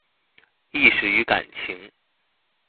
意識與感情